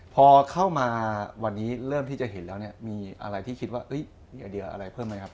พอเข้ามาวันนี้เริ่มที่จะเห็นแล้วเนี่ยมีอะไรที่คิดว่ามีไอเดียอะไรเพิ่มไหมครับ